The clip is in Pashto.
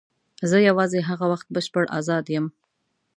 زه یوازې هغه وخت بشپړ آزاد یم.